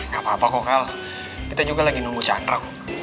gapapa kok al kita juga lagi nunggu candro